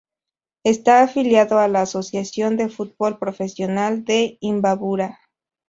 Está afiliado a la Asociación de Fútbol Profesional de Imbabura.